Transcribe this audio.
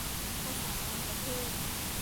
ภาษาต่างประเทศ